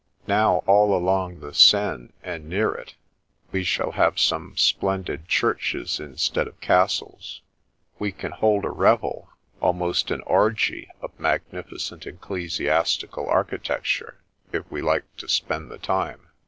Now, all along the Seine and near it, we shall have some splendid churches in stead of castles. We can hold a revel, almost an orgie, of magnificent ecclesiastical architecture if we like to spend the time.